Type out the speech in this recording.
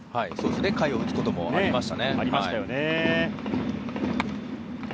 下位を打つこともありましたね。